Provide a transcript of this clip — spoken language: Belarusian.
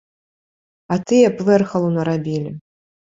А тыя б вэрхалу нарабілі.